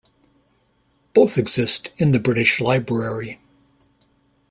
Both exist in the British Library.